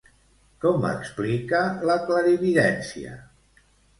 Com explica la clarividència?